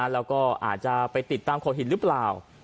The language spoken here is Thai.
แล้วก็อาจจะไปติดตามโขหินหรือเปล่า